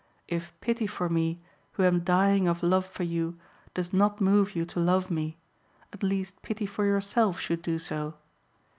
If pity for me, who am dying of love for you, does not move you to love me, at least pity for yourself should do so.